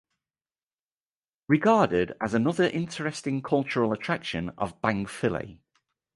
Regarded as another interesting cultural attraction of Bang Phli.